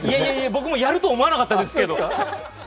僕もやると思わなかったですけど。